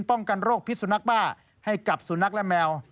ป้องกันโรคพิษสุนักบ้าให้กับสุนัขและแมว